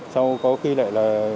sau có khi lại là